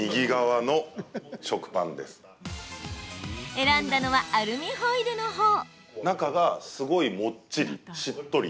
選んだのはアルミホイルのほう。